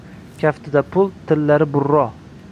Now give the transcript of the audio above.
Kaftida pul, tillari burro.